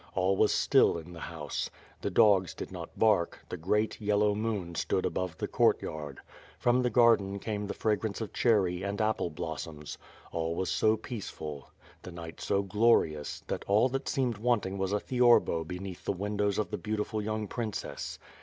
All was still in the house. The dogs did not bark, the great, yellow moon stood above the courtyard. From the garden came the fragrance of cherry, and apple blossoms; all was so peace ful; the night so glorious, that all that seemed wanting was a theorlo beneath the windows of the beautiful young prin cess.